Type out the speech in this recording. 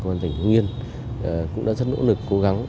của tỉnh nguyên cũng đã rất nỗ lực cố gắng